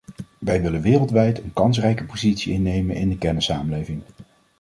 Wij willen wereldwijd een kansrijke positie innemen in de kennissamenleving.